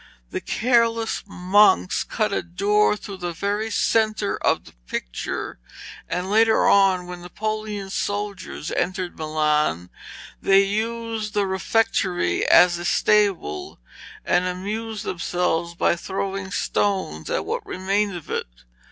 The careless monks cut a door through the very centre of the picture, and, later on, when Napoleon's soldiers entered Milan, they used the refectory as a stable, and amused themselves by throwing stones at what remained of it.